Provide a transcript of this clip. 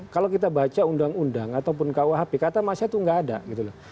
kalau kita baca undang undang ataupun kuhp kata masyat itu nggak ada gitu loh